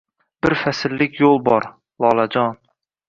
bir fasllik yoʼl bor, lolajon